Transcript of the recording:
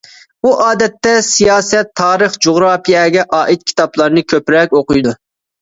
ئۇ ئادەتتە سىياسەت، تارىخ، جۇغراپىيەگە ئائىت كىتابلارنى كۆپرەك ئوقۇيدۇ.